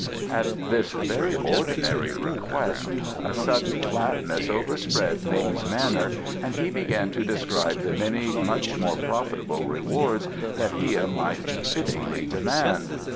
At this very ordinary request a sudden flatness overspread Ning's manner and he began to describe the many much more profitable rewards that Hia might fittingly demand.